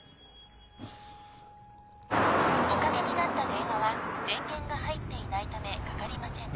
おかけになった電話は電源が入っていないためかかりません。